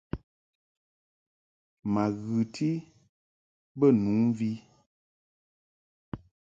Ma ghɨti bə nu mvi.